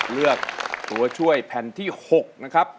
เลือกตัวช่วยแผ่นที่๖นะครับ